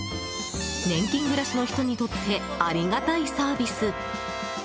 年金暮らしの人にとってありがたいサービス。